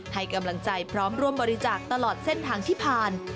ให้กำลังใจพร้อมร่วมบริจาคตลอดเส้นทางที่ผ่าน